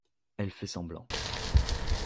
Elle fait semblant.